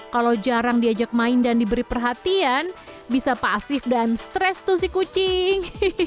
kalau jarang diajak main dan diberi perhatian bisa pasif dan stres tuh si kucing